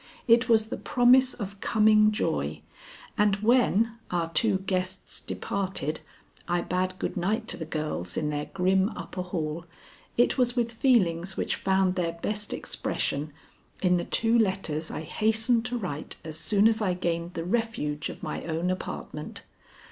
It was the promise of coming joy, and when, our two guests departed, I bade good night to the girls in their grim upper hall, it was with feelings which found their best expression in the two letters I hastened to write as soon as I gained the refuge of my own apartment.